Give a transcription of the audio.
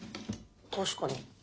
確かに。